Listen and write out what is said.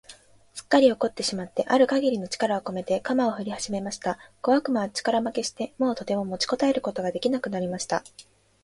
すっかり怒ってしまってある限りの力をこめて、鎌をふりはじました。小悪魔は力負けして、もうとても持ちこたえることが出来なくなりました。